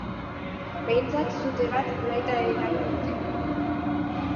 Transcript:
Behintzat sute bat nahita eragin dute.